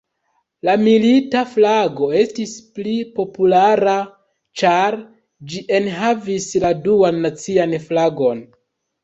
La Milita Flago estis pli populara, ĉar ĝi enhavis la Duan Nacian Flagon.